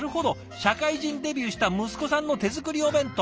社会人デビューした息子さんの手作りお弁当。